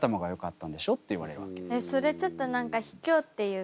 えっそれちょっと何かひきょうっていうか。